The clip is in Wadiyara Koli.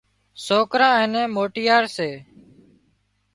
سوڪران اين موٽيار سي